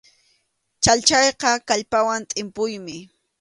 Chhallchayqa kallpawan tʼimpuymi.